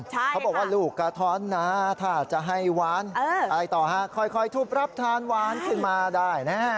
เขาบอกว่าลูกกระท้อนนะถ้าจะให้หวานอะไรต่อฮะค่อยทุบรับทานหวานขึ้นมาได้นะ